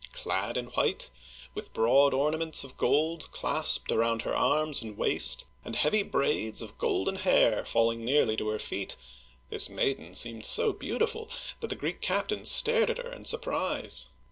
Clad in white, with broad ornaments of gold clasped around her arms and waist, and heavy braids of golden hair falling nearly to her feet, this maiden seemed so beautiful that the Greek captain stared at her in surprise.